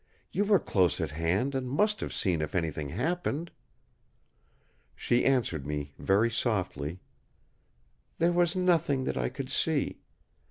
You were close at hand, and must have seen if anything happened!" She answered me very softly: "There was nothing that I could see.